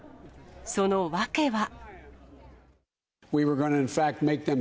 その訳は。